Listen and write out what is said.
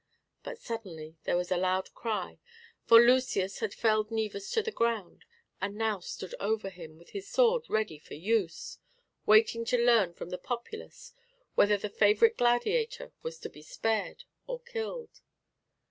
But suddenly there was a loud cry, for Lucius had felled Naevus to the ground, and now stood over him with his sword ready for use, waiting to learn from the populace whether the favourite gladiator was to be spared or killed.